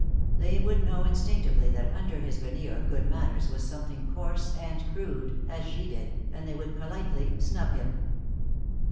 They would know instinctively that under his veneer of good manners was something coarse and crude, as she did, and they would politely snub him.